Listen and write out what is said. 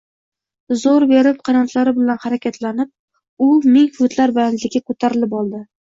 Zo‘r berib qanotlari bilan harakatlanib, u ming futlar balandlikka ko‘tarilib oldi